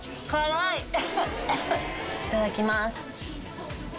いただきます。